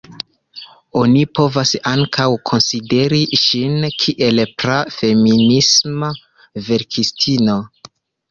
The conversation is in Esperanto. Oni povas ankaŭ konsideri ŝin kiel pra-feminisma verkistino.